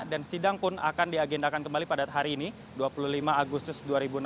dan sidang pun akan diagendakan kembali pada hari ini dua puluh lima agustus dua ribu enam belas